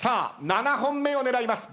７本目を狙います。